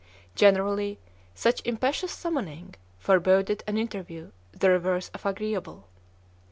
Generally, such impetuous summoning foreboded an interview the reverse of agreeable.